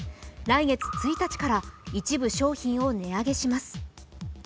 来月１日から一部商品を値上げします。